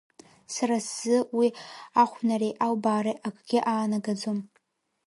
Сара сзы уи ахәнареи албаареи акгьы аанагаӡом.